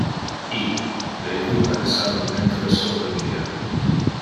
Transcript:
i, le equipa de salvamento es sur le via.